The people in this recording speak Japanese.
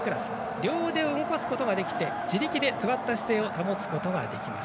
両腕を動かすことができて自力で座った姿勢を保つことができます。